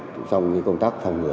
trong công tác phòng ngừa